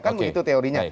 kan begitu teorinya